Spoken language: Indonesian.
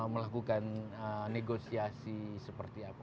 melakukan negosiasi seperti apa